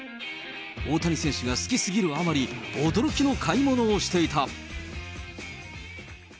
大谷選手が好きすぎるあまり、驚きの買い物をしていた。